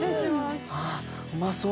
うまそう！